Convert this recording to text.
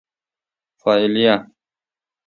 فاعلیه